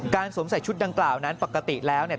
สวมใส่ชุดดังกล่าวนั้นปกติแล้วเนี่ย